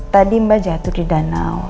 tadi mbak jatuh di danau